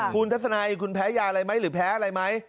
คุณทัศนัยคุณแพ้ยาอะไรไหมหรือแพ้อะไรไหม